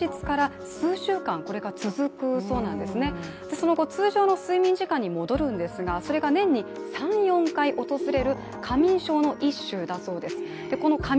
その後通常の睡眠時間に戻り、それが年に３４回訪れる過眠症の一種だそうです。